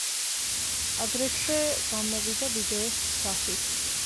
აგრეთვე გამოვიდა ვიდეოს სახით.